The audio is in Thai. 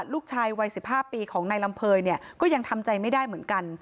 ลูกชายวัย๑๕ปีของนายลำเภยเนี่ยก็ยังทำใจไม่ได้เหมือนกัน